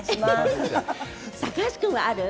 高橋君はある？